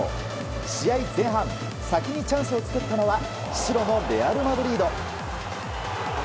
試合前半先にチャンスを作ったのは白のレアル・マドリード。